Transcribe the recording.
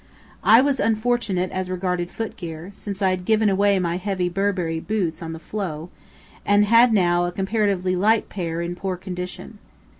I was unfortunate as regarded footgear, since I had given away my heavy Burberry boots on the floe, and had now a comparatively light pair in poor condition.